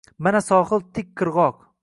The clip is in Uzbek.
Mana sohil — tik qirg’oq